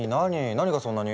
何がそんなに？